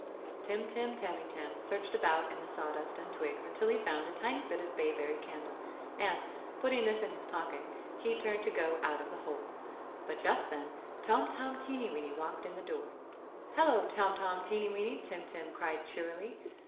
Tim Tim Tamytam searched about in the sawdust and twigs until he found a tiny bit of bayberry candle, and, putting this in his pocket, he turned to go out of the hole. But just then Tom Tom Teenyweeny walked in the door. "Hello, Tom Tom Teenyweeny!" Tim Tim cried cheerily.